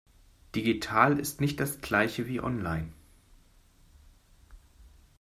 Digital ist nicht das Gleiche wie online.